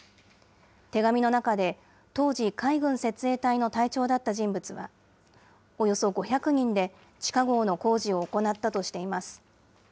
手紙の中で、当時、海軍設営隊の隊長だった人物は、およそ５００人で地下ごうの工事を行ったとしています。